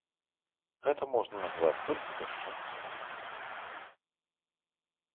Гэта можна назваць толькі бясчынствам.